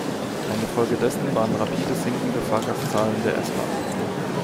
Eine Folge dessen waren rapide sinkende Fahrgastzahlen der S-Bahn.